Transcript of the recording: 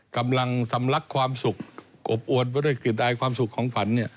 กำลังสำลักความสุขอบอวนบริกฤตนลายความสุขของผัน